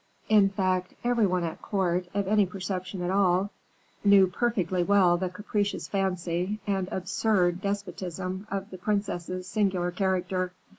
In fact, every one at court, of any perception at all, knew perfectly well the capricious fancy and absurd despotism of the princess's singular character.